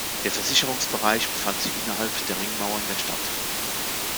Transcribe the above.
Der Versicherungsbereich befand sich innerhalb der Ringmauern der Stadt.